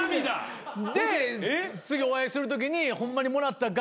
で次お会いするときにホンマにもらった額